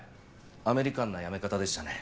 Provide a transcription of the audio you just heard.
アメリカンな辞め方でしたね。